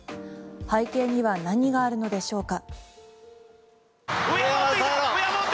背景には何があるのでしょうか？